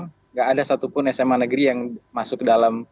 tidak ada satupun sma negeri yang masuk dalam